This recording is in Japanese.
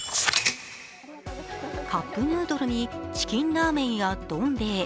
カップヌードルやチキンラーメンやどん兵衛。